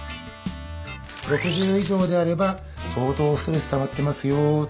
６０以上であれば相当ストレスたまってますよと。